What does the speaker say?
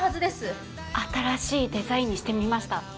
新しいデザインにしてみました。